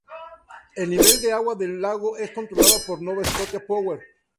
El nivel de agua del lago es controlado por "Nova Scotia Power".